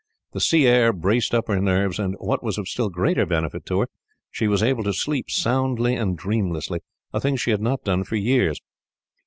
The sea air braced up her nerves, and, what was of still greater benefit to her, she was able to sleep soundly and dreamlessly, a thing she had not done for years.